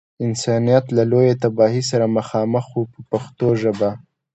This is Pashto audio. انسانیت له لویې تباهۍ سره مخامخ و په پښتو ژبه.